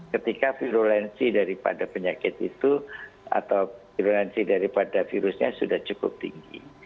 ketika virulensi daripada penyakit itu atau virulensi daripada virusnya sudah cukup tinggi